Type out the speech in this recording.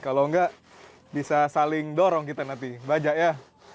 kalau enggak bisa saling dorong kita nanti bajak ya